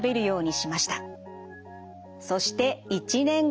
そして１年後。